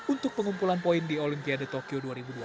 untuk pengumpulan poin di olimpiade tokyo dua ribu dua puluh